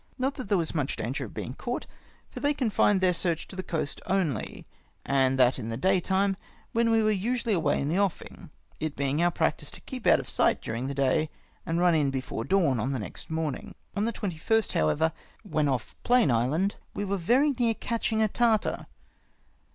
Not that there was much danger of being caught, for they confined theu" search to the coast only, and that in the daytime, when we were usually away in the offing ; it bemg om practice to keep out of sight dming the day, and run in before dawn on the next morninor. On the 21st, however, when off Plane Island, we were very near " catchuig a Tartar."